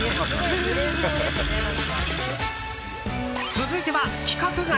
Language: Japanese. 続いては規格外！